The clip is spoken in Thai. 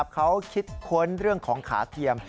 เขาคิดค้นเรื่องของขาเทียม